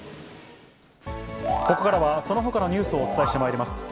ここからはそのほかのニュースをお伝えしてまいります。